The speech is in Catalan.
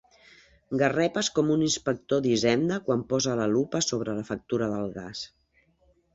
Garrepes com un inspector d'Hisenda quan posa la lupa sobre la factura del gas.